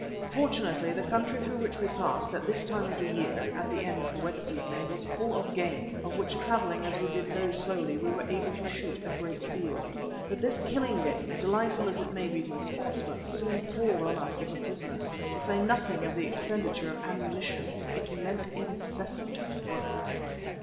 Fortunately the country through which we passed, at this time of the year (the end of the wet season) was full of game, of which, travelling as we did very slowly, we were able to shoot a great deal. But this game killing, delightful as it may be to the sportsman, soon palled on us as a business. To say nothing of the expenditure of ammunition, it meant incessant work.